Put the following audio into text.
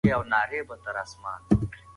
د پخوانيو خلګو تجربې په کتابونو کي خوندي دي.